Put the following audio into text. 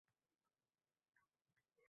Shu pulni qoʻliga tutqazdi.